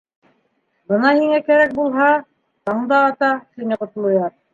— Бына һиңә кәрәк булһа, таң да ата, — тине Ҡотлояр.